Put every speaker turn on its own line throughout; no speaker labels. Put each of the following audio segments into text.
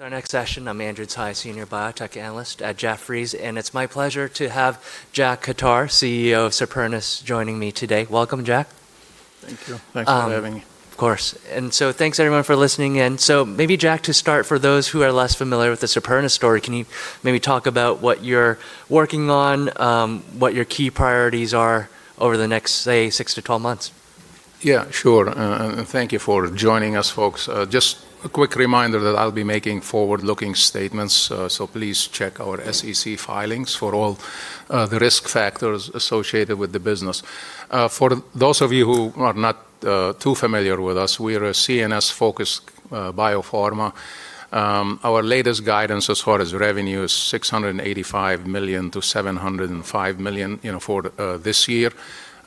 Our next session. I'm Andrew Tsai, Senior Biotech Analyst at Jefferies, and it's my pleasure to have Jack Khattar, CEO of Supernus, joining me today. Welcome, Jack.
Thank you. Thanks for having me.
Of course. Thanks, everyone, for listening in. Maybe, Jack, to start, for those who are less familiar with the Supernus story, can you maybe talk about what you're working on, what your key priorities are over the next, say, 6-12 months?
Yeah, sure. Thank you for joining us, folks. Just a quick reminder that I'll be making forward-looking statements, so please check our SEC filings for all the risk factors associated with the business. For those of you who are not too familiar with us, we're a CNS-focused biopharma. Our latest guidance as far as revenue is $685 million to $705 million for this year.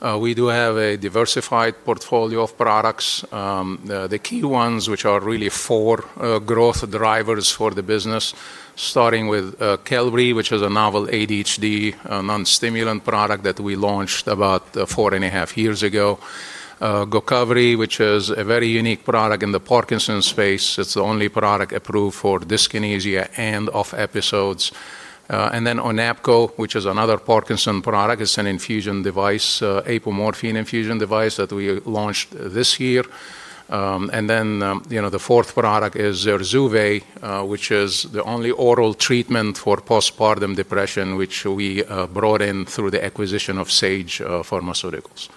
We do have a diversified portfolio of products. The key ones, which are really four growth drivers for the business, starting with Qelbree, which is a novel ADHD non-stimulant product that we launched about four and a half years ago. Gocovri, which is a very unique product in the Parkinson's space. It's the only product approved for dyskinesia and off episodes. And then Onapgo, which is another Parkinson's product. It's an infusion device, apomorphine infusion device that we launched this year. The fourth product is Zurzuvae, which is the only oral treatment for postpartum depression, which we brought in through the acquisition of Sage Therapeutics.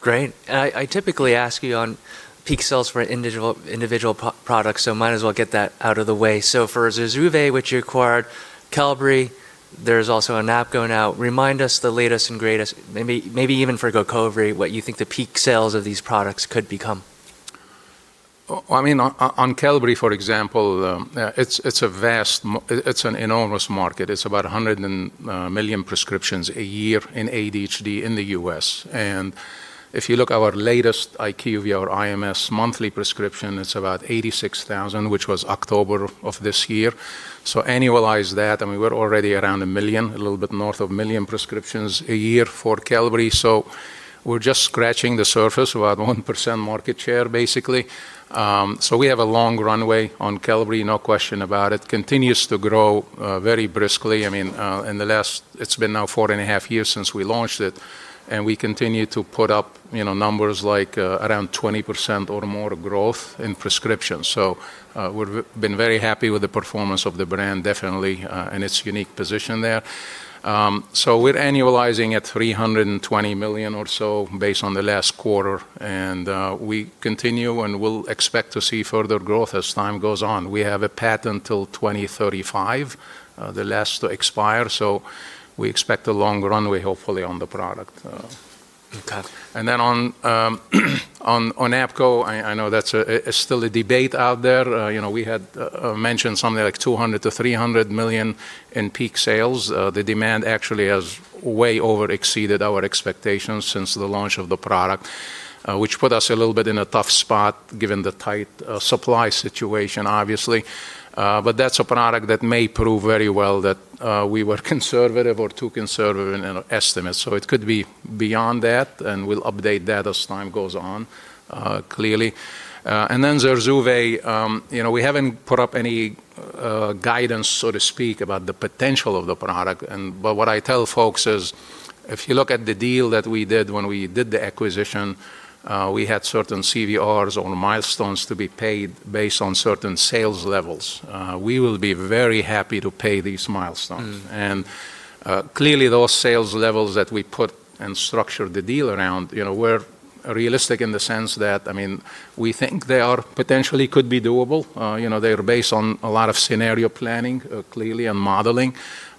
Great. I typically ask you on peak sales for individual products, so might as well get that out of the way. So for Zurzuvae, which you acquired, Qelbree, there's also Onapgo now. Remind us the latest and greatest, maybe even for Gocovri, what you think the peak sales of these products could become.
I mean, on Qelbree, for example, it's a vast, it's an enormous market. It's about 100 million prescriptions a year in ADHD in the U.S. If you look at our latest IQVIA or IMS monthly prescription, it's about $86,000, which was October of this year. Annualize that, and we were already around a million, a little bit north of a million prescriptions a year for Qelbree. We're just scratching the surface, about 1% market share, basically. We have a long runway on Qelbree, no question about it. Continues to grow very briskly. I mean, in the last, it's been now four and a half years since we launched it, and we continue to put up numbers like around 20% or more growth in prescription. We've been very happy with the performance of the brand, definitely, and its unique position there. We're annualizing at $320 million or so based on the last quarter, and we continue and will expect to see further growth as time goes on. We have a patent till 2035, the last to expire, so we expect a long runway, hopefully, on the product.
Okay.
On Onapgo, I know that's still a debate out there. We had mentioned something like $200 to $300 million in peak sales. The demand actually has way overexceeded our expectations since the launch of the product, which put us a little bit in a tough spot given the tight supply situation, obviously. That is a product that may prove very well that we were conservative or too conservative in our estimates. It could be beyond that, and we'll update that as time goes on, clearly. On Zurzuvae, we haven't put up any guidance, so to speak, about the potential of the product. What I tell folks is, if you look at the deal that we did when we did the acquisition, we had certain CVRs or milestones to be paid based on certain sales levels. We will be very happy to pay these milestones. Clearly, those sales levels that we put and structured the deal around were realistic in the sense that, I mean, we think they are potentially could be doable. They are based on a lot of scenario planning, clearly, and modeling.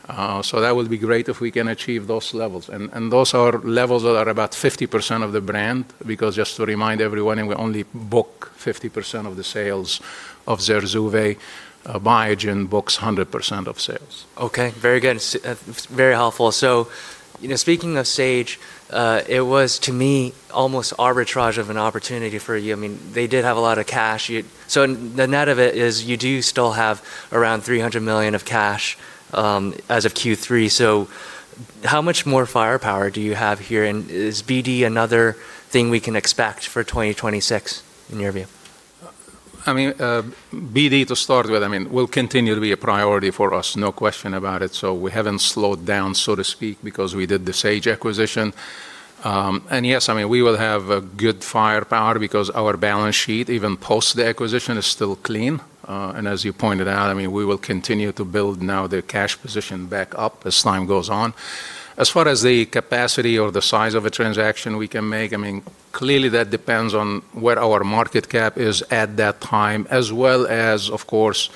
That would be great if we can achieve those levels. Those are levels that are about 50% of the brand, because just to remind everyone, we only book 50% of the sales of Zurzuvae. Biogen books 100% of sales.
Okay. Very good. Very helpful. Speaking of Sage, it was, to me, almost arbitrage of an opportunity for you. I mean, they did have a lot of cash. The net of it is you do still have around $300 million of cash as of Q3. How much more firepower do you have here? Is BD another thing we can expect for 2026, in your view?
I mean, BD, to start with, I mean, will continue to be a priority for us, no question about it. We haven't slowed down, so to speak, because we did the Sage acquisition. Yes, I mean, we will have good firepower because our balance sheet, even post the acquisition, is still clean. As you pointed out, I mean, we will continue to build now the cash position back up as time goes on. As far as the capacity or the size of a transaction we can make, I mean, clearly that depends on where our market cap is at that time, as well as, of course,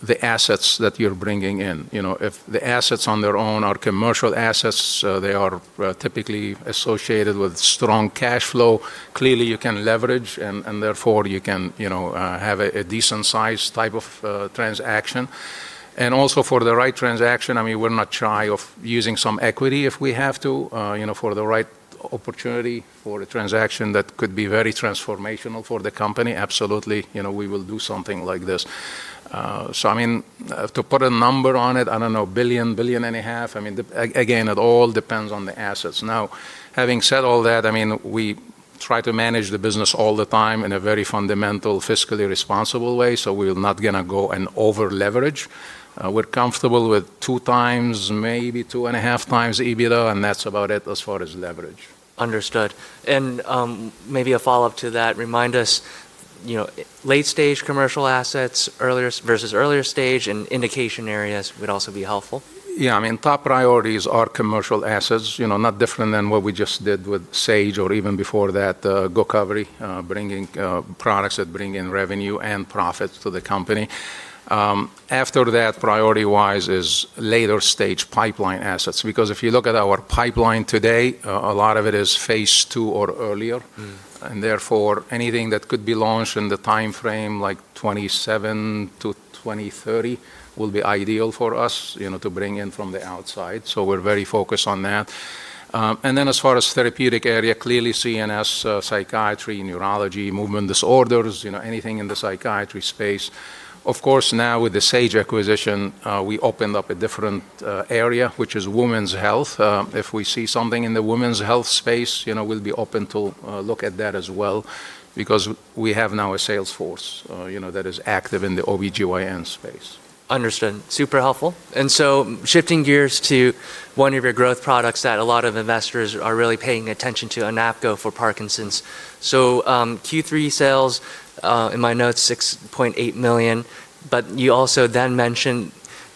the assets that you're bringing in. If the assets on their own are commercial assets, they are typically associated with strong cash flow. Clearly, you can leverage, and therefore you can have a decent-sized type of transaction. Also, for the right transaction, I mean, we're not shy of using some equity if we have to for the right opportunity for a transaction that could be very transformational for the company. Absolutely, we will do something like this. I mean, to put a number on it, I don't know, $1 billion to $1.5 billion. I mean, again, it all depends on the assets. Now, having said all that, I mean, we try to manage the business all the time in a very fundamental, fiscally responsible way, so we're not going to go and over-leverage. We're comfortable with two times, maybe two and a half times EBITDA, and that's about it as far as leverage.
Understood. Maybe a follow-up to that, remind us, late-stage commercial assets versus earlier stage and indication areas would also be helpful.
Yeah, I mean, top priorities are commercial assets, not different than what we just did with Sage or even before that, Gocovri, bringing products that bring in revenue and profits to the company. After that, priority-wise is later-stage pipeline assets, because if you look at our pipeline today, a lot of it is phase two or earlier. Therefore, anything that could be launched in the timeframe like 2027-2030 will be ideal for us to bring in from the outside. We're very focused on that. As far as therapeutic area, clearly CNS, psychiatry, neurology, movement disorders, anything in the psychiatry space. Of course, now with the Sage acquisition, we opened up a different area, which is women's health. If we see something in the women's health space, we'll be open to look at that as well, because we have now a sales force that is active in the OB-GYN space.
Understood. Super helpful. Shifting gears to one of your growth products that a lot of investors are really paying attention to, Onapgo for Parkinson's. Q3 sales, in my notes, $6.8 million, but you also then mentioned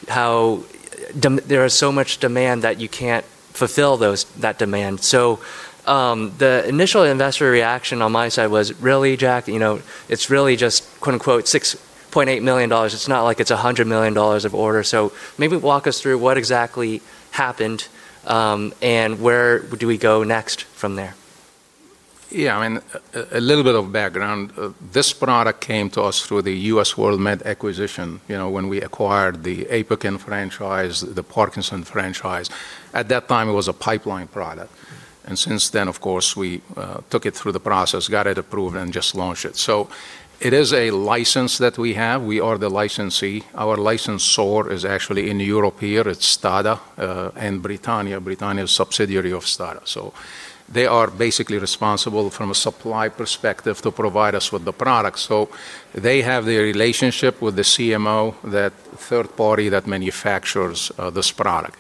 how there is so much demand that you cannot fulfill that demand. The initial investor reaction on my side was, "Really, Jack? It is really just, quote unquote, $6.8 million. It is not like it is $100 million of order." Maybe walk us through what exactly happened and where do we go next from there.
Yeah, I mean, a little bit of background. This product came to us through the US WorldMeds acquisition when we acquired the Parkinson franchise. At that time, it was a pipeline product. And since then, of course, we took it through the process, got it approved, and just launched it. It is a license that we have. We are the licensee. Our license source is actually in Europe here. It is Stada and Britannia. Britannia is a subsidiary of Stada. They are basically responsible from a supply perspective to provide us with the product. They have the relationship with the CMO, that third party that manufactures this product.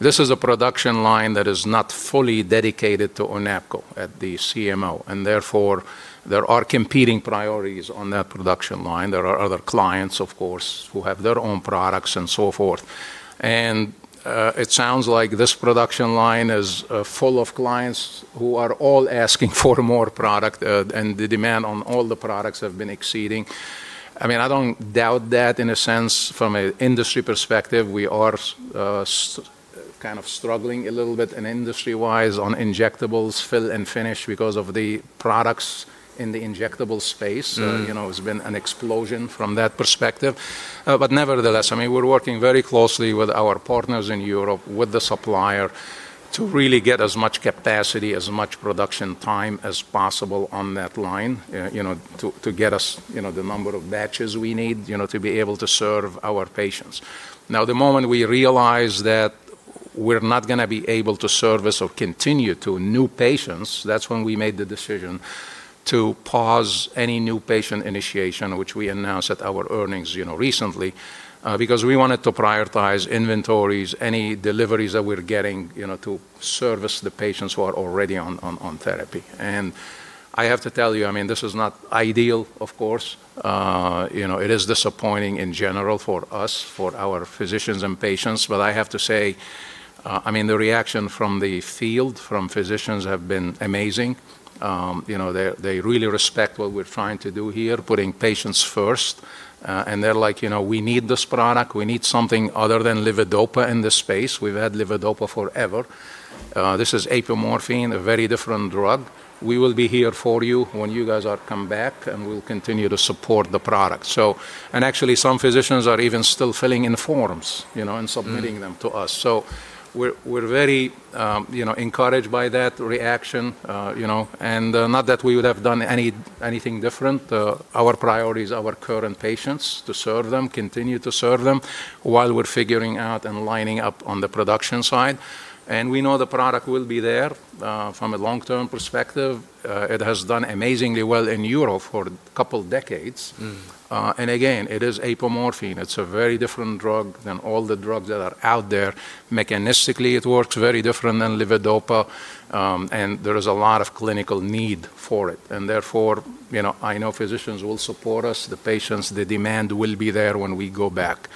This is a production line that is not fully dedicated to Onapgo at the CMO. Therefore, there are competing priorities on that production line. There are other clients, of course, who have their own products and so forth. It sounds like this production line is full of clients who are all asking for more product, and the demand on all the products has been exceeding. I mean, I do not doubt that. In a sense, from an industry perspective, we are kind of struggling a little bit industry-wise on injectables, fill and finish because of the products in the injectable space. It has been an explosion from that perspective. Nevertheless, I mean, we are working very closely with our partners in Europe, with the supplier, to really get as much capacity, as much production time as possible on that line to get us the number of batches we need to be able to serve our patients. Now, the moment we realized that we're not going to be able to service or continue to new patients, that's when we made the decision to pause any new patient initiation, which we announced at our earnings recently, because we wanted to prioritize inventories, any deliveries that we're getting to service the patients who are already on therapy. I have to tell you, I mean, this is not ideal, of course. It is disappointing in general for us, for our physicians and patients. I have to say, I mean, the reaction from the field, from physicians, has been amazing. They really respect what we're trying to do here, putting patients first. They're like, "We need this product. We need something other than Levodopa in this space." We've had Levodopa forever. This is Apomorphine, a very different drug. We will be here for you when you guys come back, and we'll continue to support the product. Actually, some physicians are even still filling in forms and submitting them to us. We are very encouraged by that reaction. Not that we would have done anything different. Our priority is our current patients, to serve them, continue to serve them while we're figuring out and lining up on the production side. We know the product will be there from a long-term perspective. It has done amazingly well in Europe for a couple of decades. It is apomorphine. It's a very different drug than all the drugs that are out there. Mechanistically, it works very different than Levodopa, and there is a lot of clinical need for it. Therefore, I know physicians will support us. The patients, the demand will be there when we go back.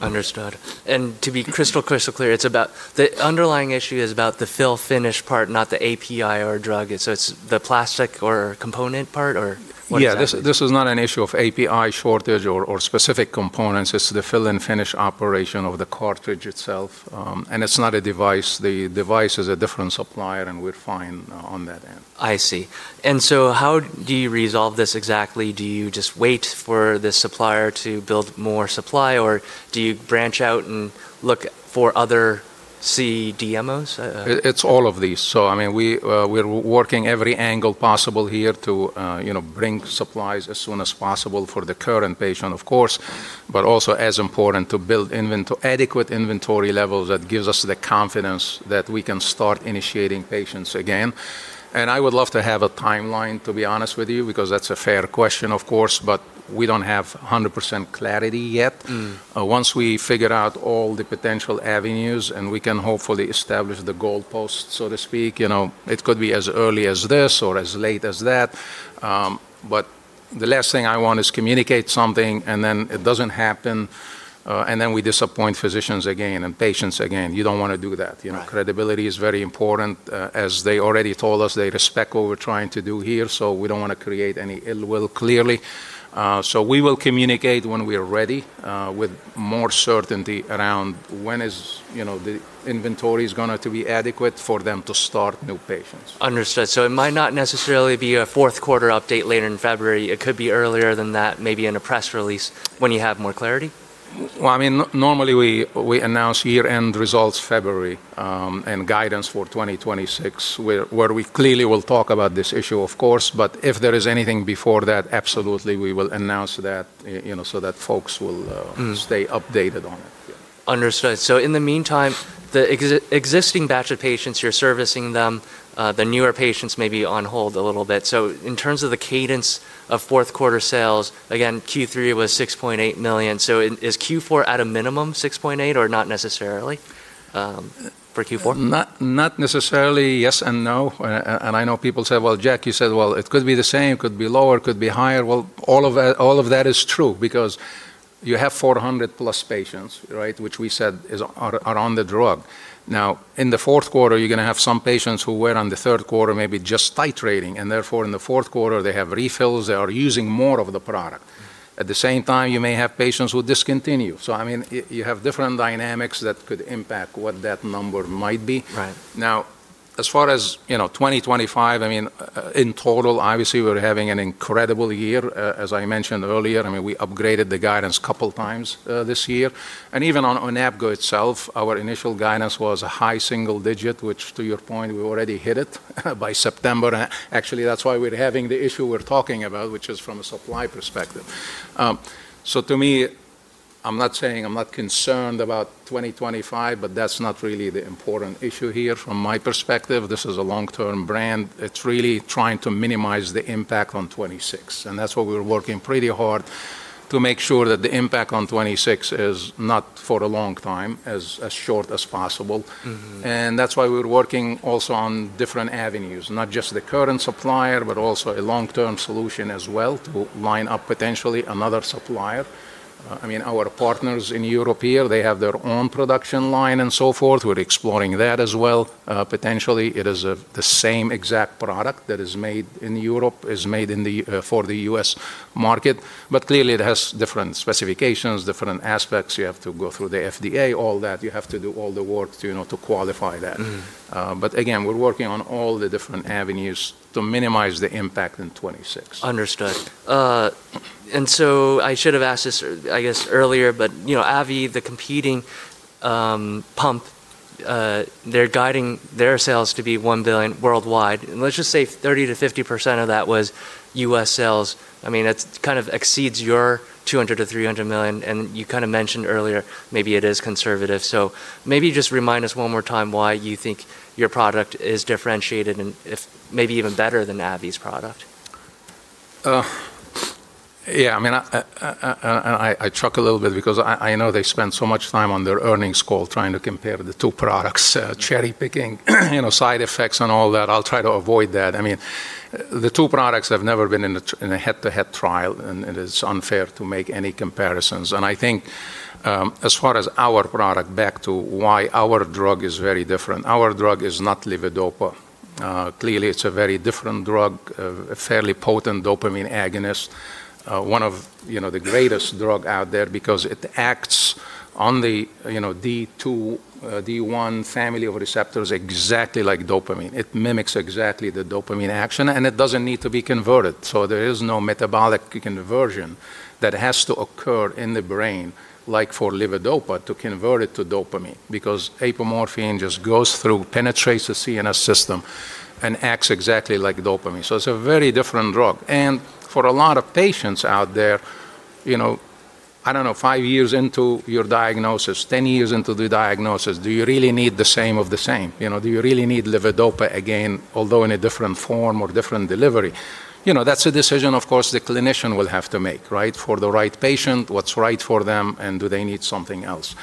Understood. To be crystal, crystal clear, the underlying issue is about the fill/finish part, not the API or drug. It is the plastic or component part, or?
Yeah, this is not an issue of API shortage or specific components. It is the fill and finish operation of the cartridge itself. It is not a device. The device is a different supplier, and we are fine on that end.
I see. How do you resolve this exactly? Do you just wait for the supplier to build more supply, or do you branch out and look for other CDMOs?
It's all of these. I mean, we're working every angle possible here to bring supplies as soon as possible for the current patient, of course, but also as important to build adequate inventory levels that gives us the confidence that we can start initiating patients again. I would love to have a timeline, to be honest with you, because that's a fair question, of course, but we don't have 100% clarity yet. Once we figure out all the potential avenues and we can hopefully establish the goalpost, so to speak, it could be as early as this or as late as that. The last thing I want is to communicate something, and then it doesn't happen, and then we disappoint physicians again and patients again. You don't want to do that. Credibility is very important. As they already told us, they respect what we're trying to do here, so we don't want to create any ill will, clearly. We will communicate when we are ready with more certainty around when the inventory is going to be adequate for them to start new patients.
Understood. So it might not necessarily be a fourth-quarter update later in February. It could be earlier than that, maybe in a press release when you have more clarity.
I mean, normally we announce year-end results February and guidance for 2026, where we clearly will talk about this issue, of course. If there is anything before that, absolutely, we will announce that so that folks will stay updated on it.
Understood. So in the meantime, the existing batch of patients you're servicing them, the newer patients may be on hold a little bit. In terms of the cadence of fourth-quarter sales, again, Q3 was $6.8 million. Is Q4 at a minimum $6.8 or not necessarily for Q4?
Not necessarily, yes and no. I know people say, "Well, Jack, you said, well, it could be the same. It could be lower, it could be higher." All of that is true because you have 400+ patients, right, which we said are on the drug. Now, in the fourth quarter, you're going to have some patients who were on the third quarter maybe just titrating. Therefore, in the fourth quarter, they have refills. They are using more of the product. At the same time, you may have patients who discontinue. I mean, you have different dynamics that could impact what that number might be. Now, as far as 2025, I mean, in total, obviously, we're having an incredible year. As I mentioned earlier, I mean, we upgraded the guidance a couple of times this year. Even on Onapgo itself, our initial guidance was a high single digit, which, to your point, we already hit it by September. Actually, that's why we're having the issue we're talking about, which is from a supply perspective. To me, I'm not saying I'm not concerned about 2025, but that's not really the important issue here from my perspective. This is a long-term brand. It's really trying to minimize the impact on 2026. That's why we're working pretty hard to make sure that the impact on 2026 is not for a long time, as short as possible. That's why we're working also on different avenues, not just the current supplier, but also a long-term solution as well to line up potentially another supplier. I mean, our partners in Europe here, they have their own production line and so forth. We're exploring that as well. Potentially, it is the same exact product that is made in Europe, is made for the U.S. market. Clearly, it has different specifications, different aspects. You have to go through the FDA, all that. You have to do all the work to qualify that. Again, we're working on all the different avenues to minimize the impact in 2026.
Understood. I should have asked this, I guess, earlier, but AVI, the competing pump, they are guiding their sales to be $1 billion worldwide. Let's just say 30%-50% of that was U.S. sales. I mean, that kind of exceeds your $200 million to $300 million. You kind of mentioned earlier, maybe it is conservative. Maybe just remind us one more time why you think your product is differentiated and maybe even better than AVI's product.
Yeah, I mean, I chuckle a little bit because I know they spend so much time on their earnings call trying to compare the two products, cherry-picking side effects and all that. I'll try to avoid that. I mean, the two products have never been in a head-to-head trial, and it's unfair to make any comparisons. I think as far as our product, back to why our drug is very different, our drug is not Levodopa. Clearly, it's a very different drug, a fairly potent dopamine agonist, one of the greatest drugs out there because it acts on the D2, D1 family of receptors exactly like dopamine. It mimics exactly the dopamine action, and it doesn't need to be converted. There is no metabolic conversion that has to occur in the brain like for Levodopa to convert it to dopamine because Apomorphine just goes through, penetrates the CNS system, and acts exactly like dopamine. It is a very different drug. For a lot of patients out there, I do not know, five years into your diagnosis, 10 years into the diagnosis, do you really need the same of the same? Do you really need Levodopa again, although in a different form or different delivery? That is a decision, of course, the clinician will have to make, right, for the right patient, what is right for them, and do they need something else?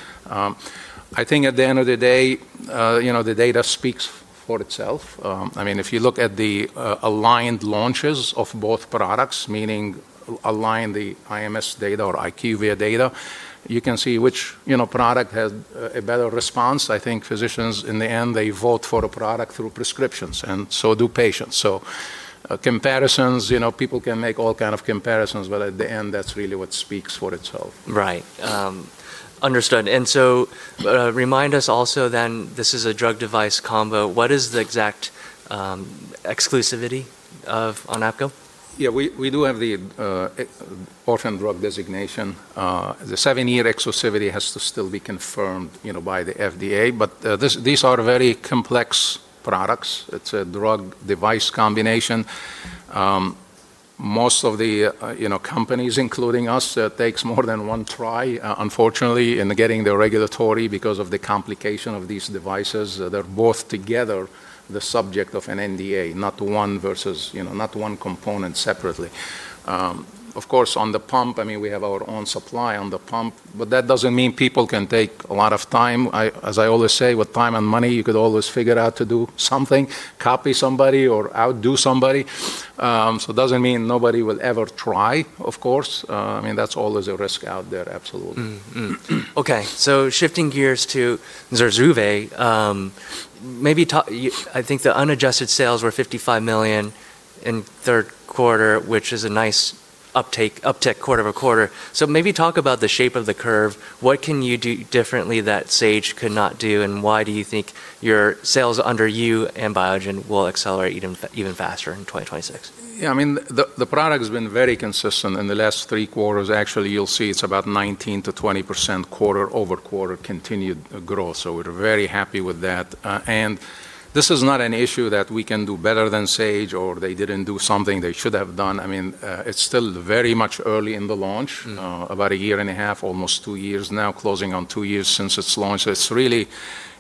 I think at the end of the day, the data speaks for itself. I mean, if you look at the aligned launches of both products, meaning align the IMS data or IQVIA data, you can see which product has a better response. I think physicians, in the end, they vote for a product through prescriptions, and so do patients. Comparisons, people can make all kinds of comparisons, but at the end, that's really what speaks for itself.
Right. Understood. And so remind us also then, this is a drug-device combo. What is the exact exclusivity of Onapgo?
Yeah, we do have the orphan drug designation. The seven-year exclusivity has to still be confirmed by the FDA. But these are very complex products. It's a drug-device combination. Most of the companies, including us, it takes more than one try, unfortunately, in getting the regulatory because of the complication of these devices. They're both together the subject of an NDA, not one versus not one component separately. Of course, on the pump, I mean, we have our own supply on the pump, but that doesn't mean people can take a lot of time. As I always say, with time and money, you could always figure out to do something, copy somebody, or outdo somebody. It doesn't mean nobody will ever try, of course. I mean, that's always a risk out there, absolutely.
Okay. Shifting gears to Zurzuvae, maybe talk, I think the unadjusted sales were $55 million in the third quarter, which is a nice uptick, quarter over quarter. Maybe talk about the shape of the curve. What can you do differently that Sage could not do, and why do you think your sales under you and Biogen will accelerate even faster in 2026?
Yeah, I mean, the product has been very consistent in the last three quarters. Actually, you'll see it's about 19% to 20% quarter over quarter continued growth. We're very happy with that. This is not an issue that we can do better than Sage or they didn't do something they should have done. I mean, it's still very much early in the launch, about a year and a half, almost two years now, closing on two years since its launch. It's really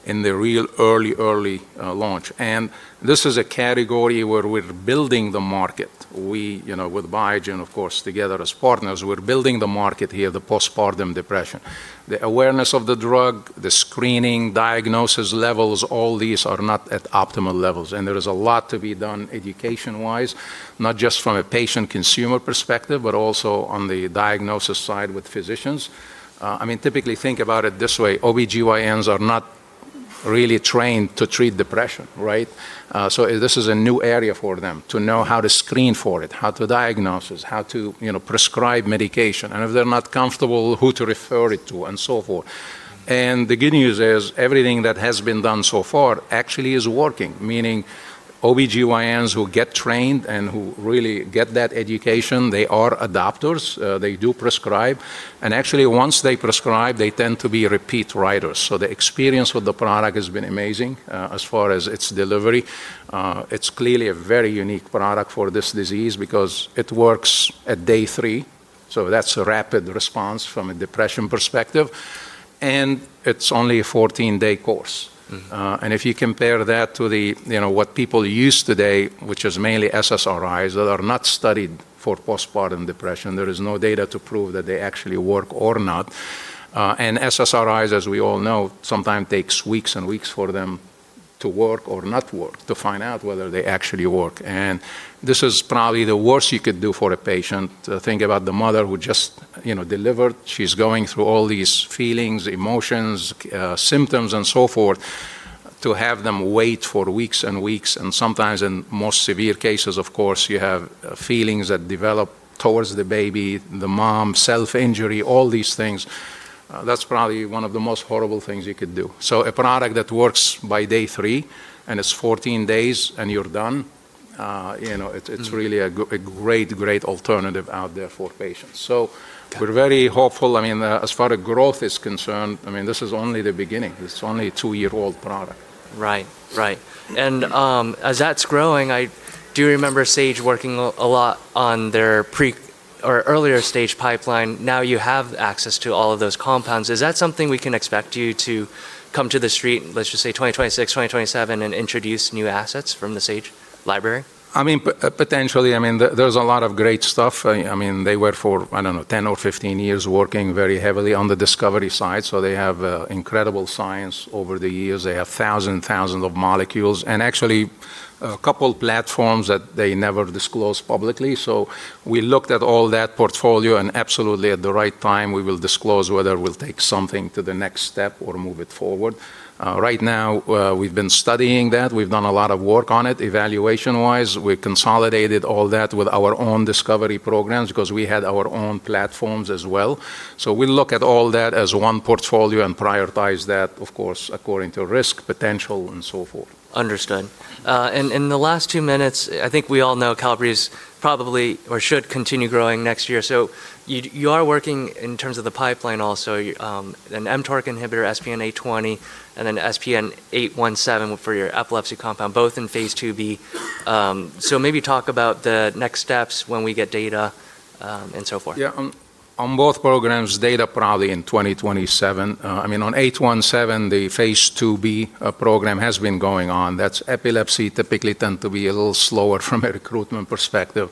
in the real early, early launch. This is a category where we're building the market. With Biogen, of course, together as partners, we're building the market here, the postpartum depression. The awareness of the drug, the screening, diagnosis levels, all these are not at optimal levels. There is a lot to be done education-wise, not just from a patient-consumer perspective, but also on the diagnosis side with physicians. I mean, typically, think about it this way. OB-GYNs are not really trained to treat depression, right? This is a new area for them to know how to screen for it, how to diagnose, how to prescribe medication, and if they're not comfortable, who to refer it to, and so forth. The good news is everything that has been done so far actually is working, meaning OB-GYNs who get trained and who really get that education, they are adopters. They do prescribe. Actually, once they prescribe, they tend to be repeat writers. The experience with the product has been amazing as far as its delivery. It is clearly a very unique product for this disease because it works at day three. That's a rapid response from a depression perspective. It's only a 14-day course. If you compare that to what people use today, which is mainly SSRIs, that are not studied for postpartum depression, there is no data to prove that they actually work or not. SSRIs, as we all know, sometimes take weeks and weeks for them to work or not work to find out whether they actually work. This is probably the worst you could do for a patient. Think about the mother who just delivered. She's going through all these feelings, emotions, symptoms, and so forth to have them wait for weeks and weeks. Sometimes, in most severe cases, of course, you have feelings that develop towards the baby, the mom, self-injury, all these things. That's probably one of the most horrible things you could do. A product that works by day three, and it's 14 days, and you're done, it's really a great, great alternative out there for patients. We're very hopeful. I mean, as far as growth is concerned, I mean, this is only the beginning. It's only a two-year-old product.
Right, right. As that's growing, I do remember Sage working a lot on their pre or earlier stage pipeline. Now you have access to all of those compounds. Is that something we can expect you to come to the street, let's just say 2026, 2027, and introduce new assets from the Sage library?
I mean, potentially. I mean, there's a lot of great stuff. I mean, they were for, I don't know, 10 or 15 years working very heavily on the discovery side. So they have incredible science over the years. They have thousands, thousands of molecules and actually a couple of platforms that they never disclose publicly. So we looked at all that portfolio, and absolutely at the right time, we will disclose whether we'll take something to the next step or move it forward. Right now, we've been studying that. We've done a lot of work on it evaluation-wise. We consolidated all that with our own discovery programs because we had our own platforms as well. So we look at all that as one portfolio and prioritize that, of course, according to risk, potential, and so forth.
Understood. In the last two minutes, I think we all know Qelbree is probably or should continue growing next year. You are working in terms of the pipeline also, an mTOR inhibitor, SPN-820, and then SPN-817 for your epilepsy compound, both in phase 2B. Maybe talk about the next steps when we get data and so forth.
Yeah, on both programs, data probably in 2027. I mean, on 817, the phase 2B program has been going on. That's epilepsy, typically tends to be a little slower from a recruitment perspective.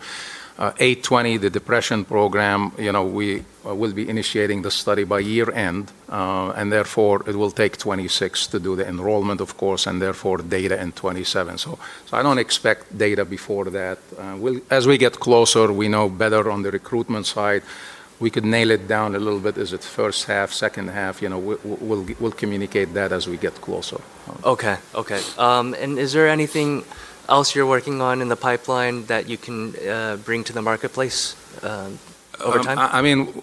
SNP-820, the depression program, we will be initiating the study by year-end, and therefore, it will take 2026 to do the enrollment, of course, and therefore data in 2027. I don't expect data before that. As we get closer, we know better on the recruitment side. We could nail it down a little bit. Is it first half, second half? We'll communicate that as we get closer.
Okay, okay. Is there anything else you're working on in the pipeline that you can bring to the marketplace over time?
I mean,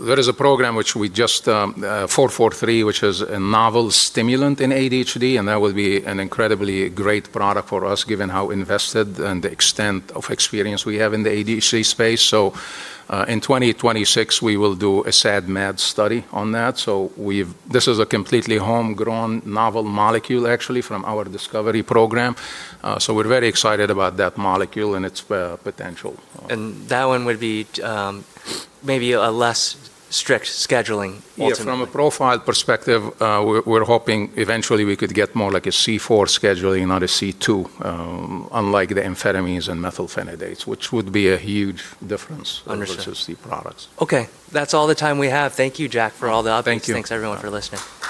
there is a program, which we just 443, which is a novel stimulant in ADHD, and that will be an incredibly great product for us given how invested and the extent of experience we have in the ADHD space. In 2026, we will do a SAD-MAD study on that. This is a completely homegrown novel molecule, actually, from our discovery program. We are very excited about that molecule and its potential.
That one would be maybe a less strict scheduling alternative.
Yeah, from a profile perspective, we're hoping eventually we could get more like a C4 scheduling, not a C2, unlike the amphetamines and methylphenidates, which would be a huge difference versus the products.
Okay. That's all the time we have. Thank you, Jack, for all the opportunities.
Thank you.
Thanks, everyone, for listening.